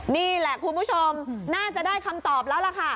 นี่แหละคุณผู้ชมน่าจะได้คำตอบแล้วล่ะค่ะ